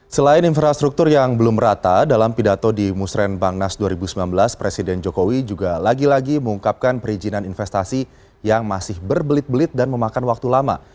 selain infrastruktur yang belum rata dalam pidato di musren bang nas dua ribu sembilan belas presiden jokowi juga lagi lagi mengungkapkan perizinan investasi yang masih berbelit belit dan memakan waktu lama